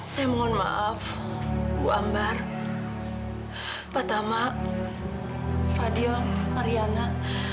saya mohon maaf bu ambar pak tama fadil mariana